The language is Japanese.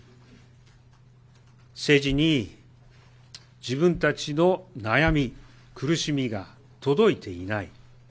政治に自分たちの悩み、苦しみが届いていない。